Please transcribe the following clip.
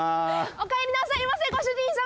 お帰りなさいませご主人様